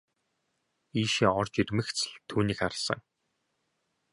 Ийшээ орж ирмэгц л түүнийг харсан.